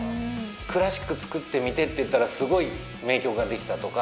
クラシック作ってみてって言ったらすごい名曲ができたとか。